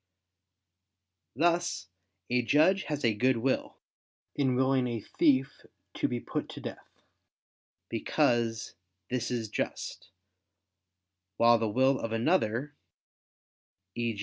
Thus a judge has a good will, in willing a thief to be put to death, because this is just: while the will of another e.